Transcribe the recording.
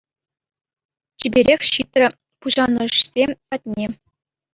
Чиперех ҫитрӗ пуҫанӑшсем патне.